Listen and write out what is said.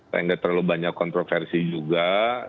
tidak terlalu banyak kontroversi juga